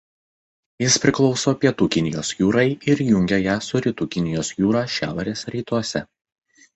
Jis priklauso Pietų Kinijos jūrai ir jungia ją su Rytų Kinijos jūra šiaurės rytuose.